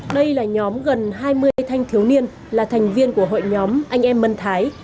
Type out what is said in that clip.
đây là nhóm gần hai mươi thanh thiếu niên là thành viên của hội nhóm anh em mân thái